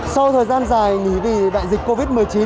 sau thời gian dài nghỉ vì đại dịch covid một mươi chín